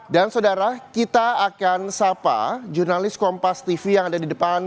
dan saudara kita akan sapa jurnalis kompas tv yang ada di depan